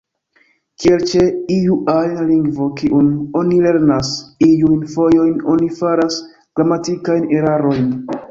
Kiel ĉe iu ajn lingvo kiun oni lernas, iujn fojojn oni faras gramatikajn erarojn.